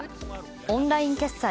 オンライン決済